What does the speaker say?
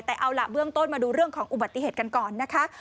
แต่เอาล่ะเบื้องต้นมาดูเรื่องของอุบัติเหตุกันก่อนนะคะ